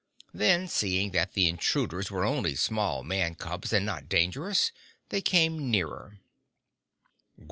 Then seeing that the intruders were only small man cubs, and not dangerous, they came nearer.